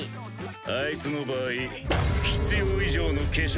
あいつの場合必要以上の化粧。